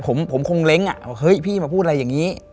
ผมคงเล้งอ่ะว่าเฮ้ยพี่มาพูดอะไรอย่างนี้